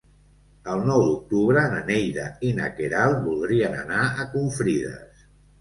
El nou d'octubre na Neida i na Queralt voldrien anar a Confrides.